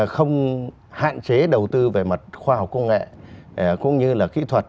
không hạn chế đầu tư về mặt khoa học công nghệ cũng như là kỹ thuật